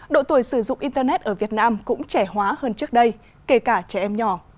độ tuổi sử dụng internet ở việt nam cũng trẻ hóa hơn trước đây kể cả trẻ em nhỏ